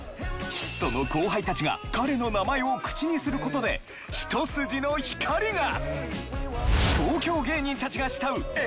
その後輩たちが彼の名前を口にすることで一筋の光が！